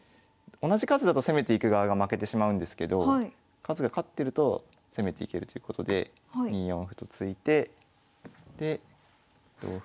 同じ数だと攻めていく側が負けてしまうんですけど数が勝ってると攻めていけるということで２四歩と突いてで同歩。